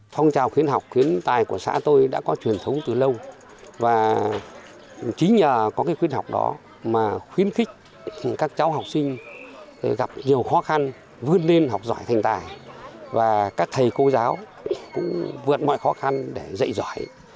phong trào khuyến học khuyến tài của xã tôi đã có truyền thống từ lâu và chính nhờ có cái khuyến học đó mà khuyến khích các cháu học sinh gặp nhiều khó khăn vươn lên học giỏi thành tài và các thầy cô giáo cũng vượt mọi khó khăn để dạy giỏi